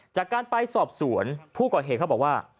จากการไปสอบสวนผู้ก่อเหตุเขาบอกว่า